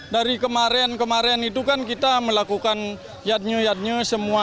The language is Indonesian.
dari kemarin kemarin itu kan kita melakukan yadnya yadnya semua